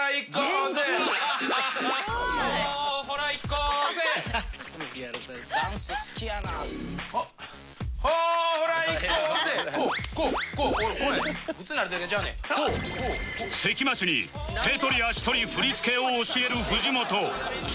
関町に手取り足取り振り付けを教える藤本